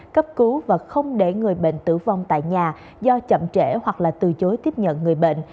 cấp cứu và không để người bệnh tử vong tại nhà do chậm trễ hoặc là từ chối tiếp nhận người bệnh